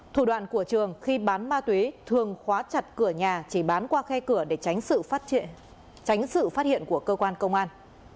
thủ đoàn của trường khi bán ma túy thường khóa chặt cửa nhà chỉ bán qua khe cửa để tránh sự phát hiện của cơ quan công an